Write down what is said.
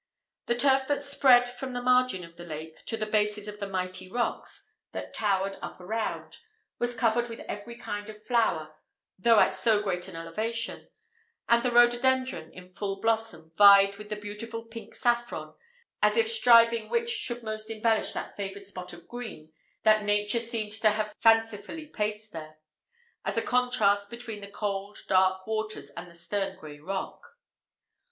The turf that spread from the margin of the lake to the bases of the mighty rocks that towered up around, was covered with every kind of flower, though at so great an elevation; and the rhododendron in full blossom, vied with the beautiful pink saffron, as if striving which should most embellish that favoured spot of green that nature seemed to have fancifully placed there, as a contrast between the cold dark waters and the stern grey rock.